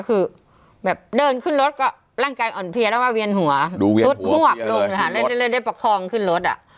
คือแบบเดินขึ้นรถก็ร่างกายอ่อนเพลียแล้วว่าเวียนหัวเวียสุดหวบลงเรื่อยได้ประคองขึ้นรถอ่ะ